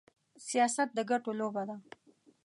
سياست د ګټو لوبه ده.